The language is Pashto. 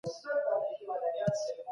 کله ډیجیټل حقونه تر پښو لاندي کیږي؟